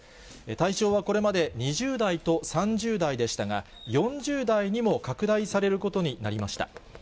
対象はこれまで、２０代と３０代でしたが、４０代にも拡大されることになりました。